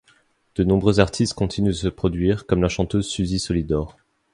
De nombreux artistes continuent de se produire, comme la chanteuse Suzy Solidor.